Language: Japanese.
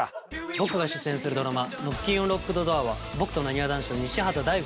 僕の出演するドラマ『ノッキンオン・ロックドドア』は僕となにわ男子の西畑大吾